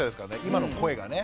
今の声がね。